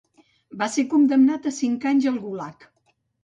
Va ser condemnat a cinc anys al Gulag.